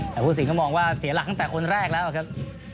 แต่ผู้สินก็มองว่าเสียหลักตั้งแต่คนแรกแล้วครับ